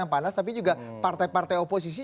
yang panas tapi juga partai partai oposisi